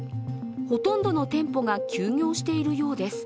ほとんどの店舗が休業しているようです。